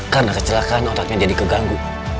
karena kecelakaan otaknya jadi keganggu